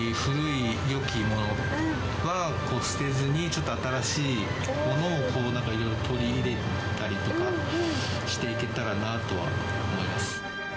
ちょっと新しいものをなんかいろいろ取り入れたりとかしていけたらなとは思います。